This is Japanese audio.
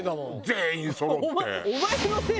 全員そろって。